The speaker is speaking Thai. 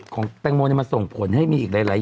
ของแตงโมมาส่งผลให้มีอีกหลายอย่าง